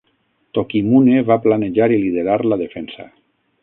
Tokimune va planejar i liderar la defensa.